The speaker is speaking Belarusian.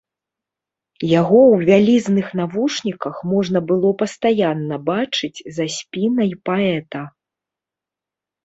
Яго ў вялізных навушніках можна было пастаянна бачыць за спінай паэта.